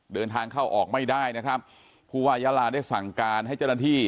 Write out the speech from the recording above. เดินทางเข้าออกไม่ได้นะครับผู้ว่ายาลาได้สั่งการให้เจ้าหน้าที่